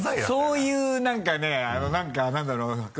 そういうなんかねなんかなんだろうな？